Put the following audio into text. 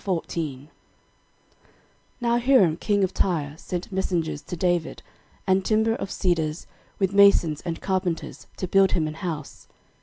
13:014:001 Now Hiram king of Tyre sent messengers to David, and timber of cedars, with masons and carpenters, to build him an house.